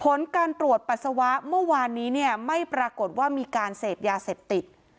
ผลการตรวจปัสสาวะเมื่อวานนี้เนี่ยไม่ปรากฏว่ามีการเสพยาเสพติด